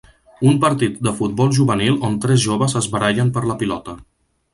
Un partir de futbol juvenil on tres joves es barallen per la pilota.